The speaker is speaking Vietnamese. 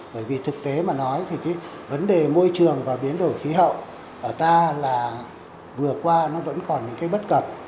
bởi vì thực tế mà nói thì cái vấn đề môi trường và biến đổi khí hậu ở ta là vừa qua nó vẫn còn những cái bất cập